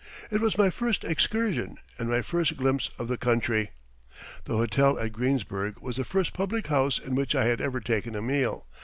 It was my first excursion, and my first glimpse of the country. The hotel at Greensburg was the first public house in which I had ever taken a meal.